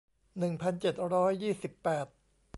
หนึ่งพันเจ็ดร้อยยี่สิบแปด